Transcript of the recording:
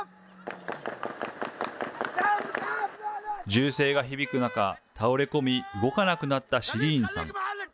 銃声が響く中、倒れ込み動かなくなったシリーンさん。